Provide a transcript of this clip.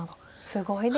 すごいですね。